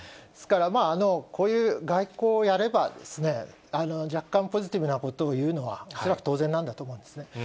ですから、こういう外交をやれば、若干ポジティブなことを言うのは、至極当然なんだと思うんですね。